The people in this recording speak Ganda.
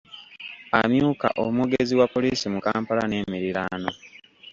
Amyuka omwogezi wa poliisi mu Kampala n’emiriraano.